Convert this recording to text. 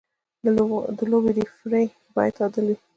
د لوبې ریفري باید عادل وي.